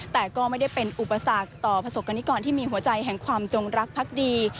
แต่ก็ไม่ได้เป็นอุปสรรคต่อประสบกรณิกรที่มีหัวใจแห่งความจงรักพักดี